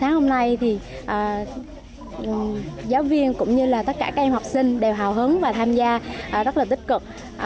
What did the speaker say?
sáng hôm nay thì giáo viên cũng như là tất cả các em học sinh đều hào hứng và tham gia rất là tích cực